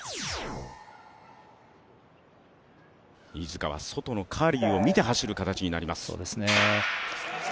飯塚は外のカーリーを見て走る形になります。